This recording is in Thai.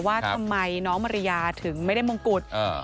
ว่าทำไมน้องมาริยาถึงไม่ได้มงกุฎ